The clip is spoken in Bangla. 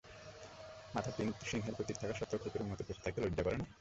মাথায় তিন সিংহের প্রতীক থাকা স্বত্ত্বেও কুকুরের মতো বেঁচে থাকতে লজ্জা করে না?